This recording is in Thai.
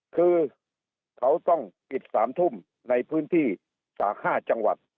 คือเขาต้องปิด๓ทุ่มในพื้นที่จาก๕จังหวัด